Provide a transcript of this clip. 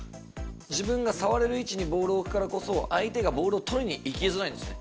自分が触れる位置にボールを置くからこそ、相手がボールをとりにいきづらいんですね。